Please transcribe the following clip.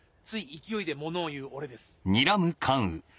つい勢いでものを言う俺です。